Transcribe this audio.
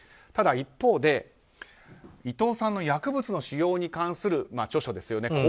ただ、一方で伊藤さんの薬物の使用に関する著書ですね。